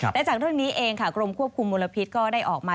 และจากเรื่องนี้เองค่ะกรมควบคุมมลพิษก็ได้ออกมา